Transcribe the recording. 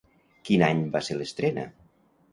Quin any va ser l'estrena?